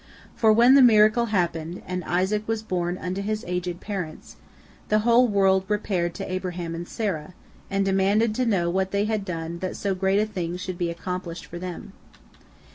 For when the miracle happened, and Isaac was born unto his aged parents, the whole world repaired to Abraham and Sarah, and demanded to know what they had done that so great a thing should be accomplished for them.